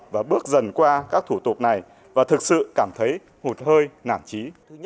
và bước dần qua các thủ tục này và thực sự cảm thấy hụt hơi nản trí